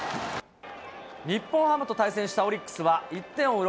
日本ハムと対戦したオリックスは、１点を追う